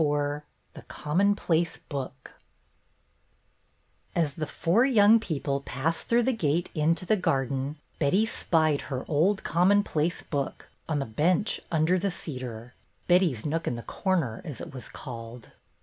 IV THE COMMONPLACE BOOK AS the four young people passed through AA the gate into the garden, Betty spied her old commonplace book on the bench under the cedar, "Betty's Nook in the Corner," as it was called.